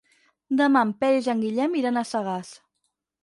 Demà en Peris i en Guillem iran a Sagàs.